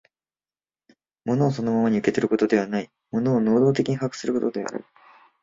物をそのままに受け取ることではない、物を能働的に把握することである。